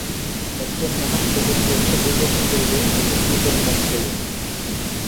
একজন মহান্ত প্রতি বৎসর নির্বাচন করিবে অধিক লোকের মত লইয়া।